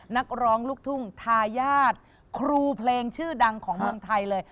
นักร้องลูกทุ่งทายาทครูเพลงชื่อดังของเมืองไทยเลย